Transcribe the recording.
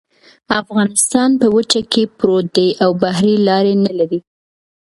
افغانستان په وچه کې پروت دی او بحري لارې نلري